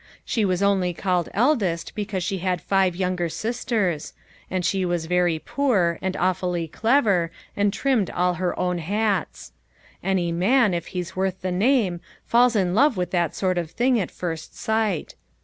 She was only called eldest because she had five younger sisters; and she was very poor and awfully clever and trimmed all her own hats. Any man, if he's worth the name, falls in love with that sort of thing at first sight.